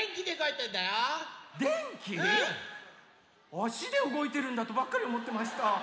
あしでうごいてるんだとばっかりおもってました。